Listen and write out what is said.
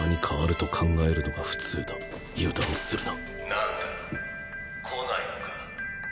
・なんだ？来ないのか？